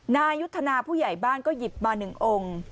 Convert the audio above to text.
นายุทธนาผู้ใหญ่บ้านก็หยิบมา๑องค์